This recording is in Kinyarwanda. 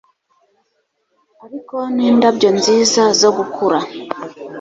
ariko n'indabyo nziza zo gukura